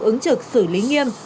ứng trực xử lý nghiêm